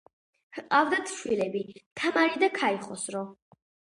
ჰყავდათ შვილები თამარი და ქაიხოსრო.